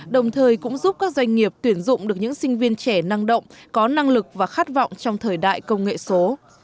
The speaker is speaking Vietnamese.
đồng thời cũng giúp các doanh nghiệp tuyển dụng được những sinh viên trẻ năng động có năng lực và khát vọng trong thời đại công nghệ số